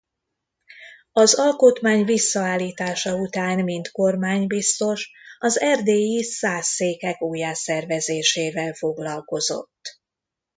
Az alkotmány visszaállítása után mint kormánybiztos az erdélyi szász székek újjászervezésével foglalkozott.